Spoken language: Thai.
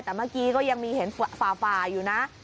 แต่เมื่อกี้ก็ยังมีเห็นฝ่าอยู่นะ